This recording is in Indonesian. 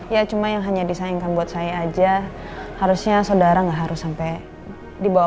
ya cuma yang hanya disayangkan buat saya aja harusnya saudara nggak harus sampai dibawa